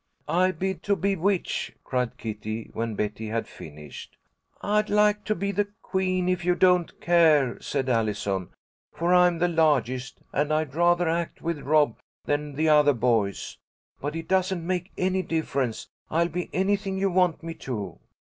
"I bid to be witch!" cried Kitty, when Betty had finished. "I'd like to be the queen, if you don't care," said Allison, "for I am the largest, and I'd rather act with Rob than the other boys. But it doesn't make any difference. I'll be anything you want me to."